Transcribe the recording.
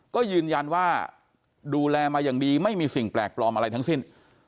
ก็ยืนยันว่าดูแลมาอย่างดีไม่มีสิ่งแปลกปลอมอะไรทั้งสิ้น